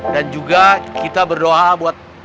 dan juga kita berdoa buat pak haji sendiri